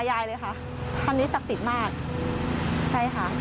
สารตาใยล่ะค่ะตอนนี้ศักดิ์ศรีมากใช่ค่ะ